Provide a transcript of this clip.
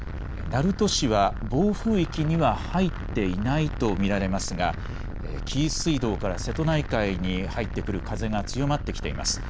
鳴門市は暴風域には入っていないと見られますが紀伊水道から瀬戸内海に入ってくる風が強まってきています。